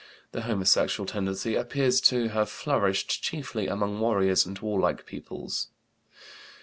The homosexual tendency appears to have flourished chiefly among warriors and warlike peoples.